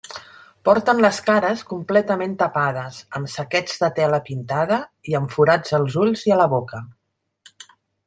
Porten les cares completament tapades amb saquets de tela pintada i amb forats als ulls i a la boca.